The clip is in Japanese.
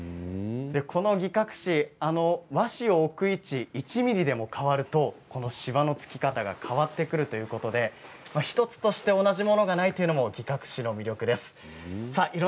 この擬革紙、和紙を置く位置が１ｍｍでも変わるとしわのつき方が変わってくるということで１つとして同じものがないというのも、擬革紙の魅力です。